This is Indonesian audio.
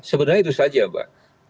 sebenarnya itu saja mbak